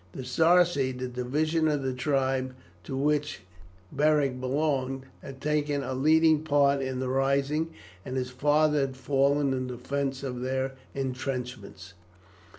The Sarci, the division of the tribe to which Beric belonged, had taken a leading part in the rising, and his father had fallen in the defence of their intrenchments.